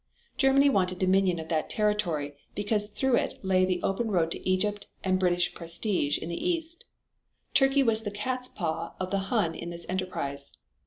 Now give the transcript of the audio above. Germany wanted domination of that territory because through it lay the open road to Egypt and British prestige in the East. Turkey was the cat's paw of the Hun in this enterprise.